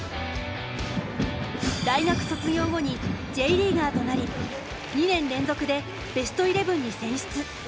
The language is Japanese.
大学卒業後にＪリーガーとなり２年連続でベストイレブンに選出。